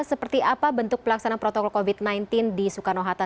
seperti apa bentuk pelaksanaan protokol covid sembilan belas di soekarno hatta